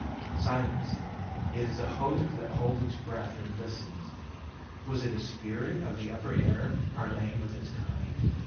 _" Silence! It is a host that holds its breath and listens. Was it a spirit of the upper air parleying with its kind?